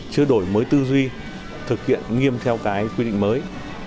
chưa đổi mới tư duy thực hiện nghiêm theo cái quy định mới